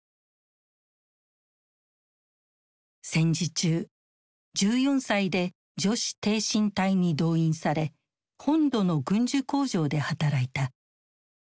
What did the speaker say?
戦時中１４歳で女子挺身隊に動員され本土の軍需工場で働いた。